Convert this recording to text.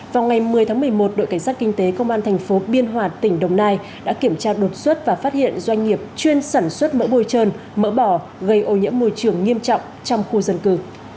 vào ngày một mươi tháng một mươi một đội cảnh sát kinh tế công an thành phố biên hòa tỉnh đồng nai đã kiểm tra đột xuất và phát hiện doanh nghiệp chuyên sản xuất mỡ bôi trơn mỡ bỏ gây ô nhiễm môi trường nghiêm trọng trong khu dân cư